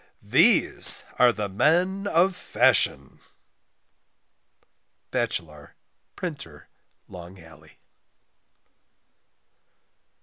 ="These are the Men of Fashion!!"= Batchelar, Printer, Long Alley.